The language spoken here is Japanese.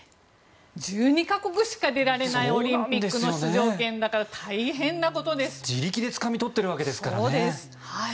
１２か国しか出られないオリンピックの出場権だから自力でつかみ取っているわけですからね。